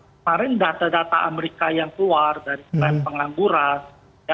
kemarin data data amerika yang keluar dari klaim pengangguran